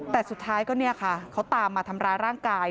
แต่สุดท้ายก็เขาทำมาทำร้ายร่างกาย